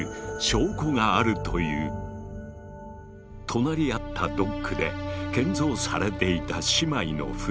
隣り合ったドックで建造されていた姉妹の船。